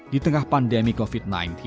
di tengah pandemi covid sembilan belas